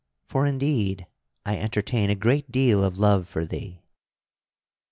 For, indeed, I entertain a great deal of love for thee."